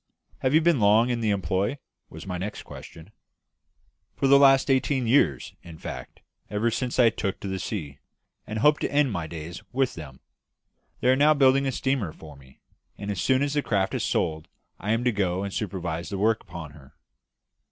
"Have you been long in the employ?" was my next question. "For the last eighteen years in fact, ever since I first took to the sea and hope to end my days with them. They are now building a steamer for me; and as soon as this craft is sold I am to go and supervise the work upon her."